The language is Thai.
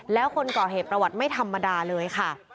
แล้วคนก่อเหตุประวัติไม่ธรรมดาเลยค่ะ